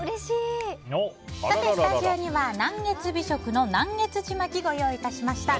スタジオには南粤美食の南粤ちまきご用意致しました。